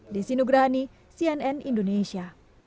desi nugrani cnn indonesia